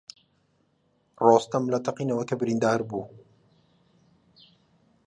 ڕۆستەم لە تەقینەوەک بریندار بوو.